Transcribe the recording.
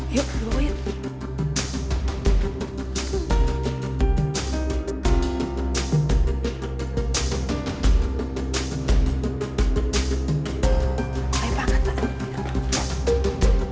yuk bawa bawa yuk